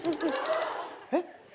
えっ？